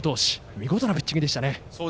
見事なピッチングでしたね。